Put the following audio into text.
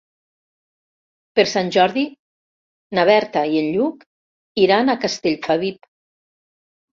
Per Sant Jordi na Berta i en Lluc iran a Castellfabib.